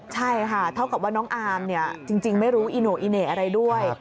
ใช่ค่ะเท่ากับว่าน้องอามจริงไม่รู้อิโหน่ออะไรด้วย